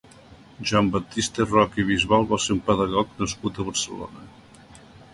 Joan Baptista Roca i Bisbal va ser un pedagog nascut a Barcelona.